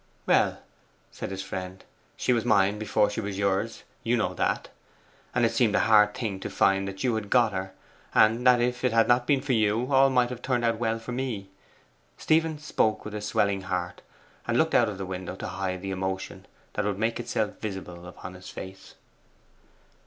'Well,' said his friend, 'she was mine before she was yours you know that! And it seemed a hard thing to find you had got her, and that if it had not been for you, all might have turned out well for me.' Stephen spoke with a swelling heart, and looked out of the window to hide the emotion that would make itself visible upon his face.